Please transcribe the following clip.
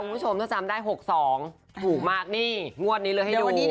คุณผู้ชมถ้าจำได้๖๒ถูกมากนี่งวดนี้เลยให้ดู